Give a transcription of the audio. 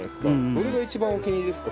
どれが一番お気に入りですか？